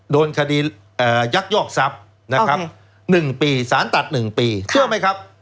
โดนคดียักยอกทรัพย์นะครับ๑ปีสารตัด๑ปีเชื่อไหมครับ